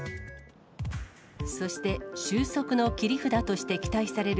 そして収束の切り札として期待される